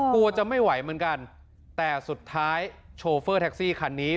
กลัวจะไม่ไหวเหมือนกันแต่สุดท้ายโชเฟอร์แท็กซี่คันนี้